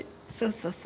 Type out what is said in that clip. そうそう。